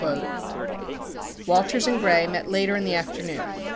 30 Walters and Gray met later in the afternoon.